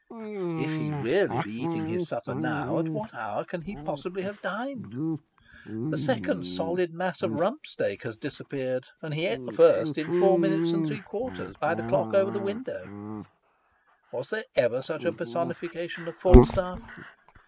If he really be eating his supper now, at what hour can he possibly have dined ? A second solid mass of rump steak has disappeared, and he eat the first in four minutes and three quarters, by the clock over I2O Sketches by Bos. the window. Was there ever such a personification of Falstaff